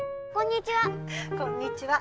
こんにちは。